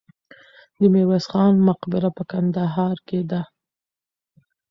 د میرویس خان مقبره په کندهار کې ده.